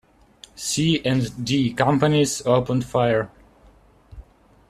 C and D companies opened fire.